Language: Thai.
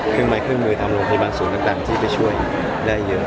เครื่องไม้เครื่องมือทำโรงพยาบาลศูนย์ตั้งแต่ที่ไปช่วยได้เยอะ